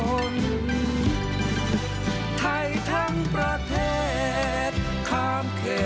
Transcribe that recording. ถ่วยไทยทั่วหน้าน้ำตานองอนันทร์ส่งพ่อสู่ชั้นดูสิตาลัยค่ะ